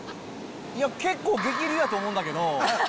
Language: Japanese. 結構激流やと思ったけど。